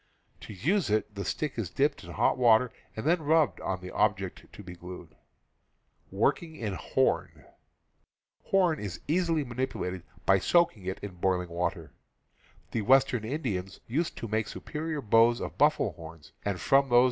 To use it, the stick is dipped in hot water and then rubbed on the object to be glued. Horn is easily manipulated by soaking it in boiling water. The western Indians used to make superior ^.. bows of buffalo horns, and from those T